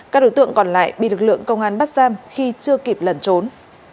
các đối tượng còn lại bị lực lượng công an bắt giam khi chưa kịp lẩn trốn